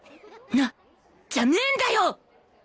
「なっ！」じゃねえんだよ！